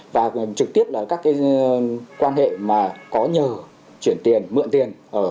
và trực tiếp các quan hệ có nhờ chuyển tiền mượn tiền